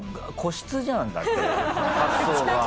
発想が。